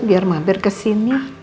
biar mampir kesini